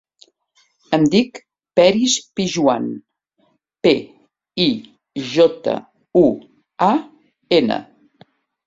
Em dic Peris Pijuan: pe, i, jota, u, a, ena.